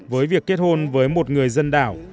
với việc kết hôn với một người dân đảo